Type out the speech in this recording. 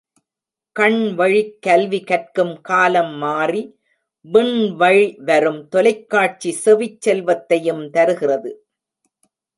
கண்வழிக் கல்வி கற்கும் காலம் மாறி விண் வழி வரும் தொலைக்காட்சி செவிச் செல்வத்தையும் தருகிறது.